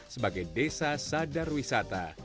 sebagai desa sadar wisata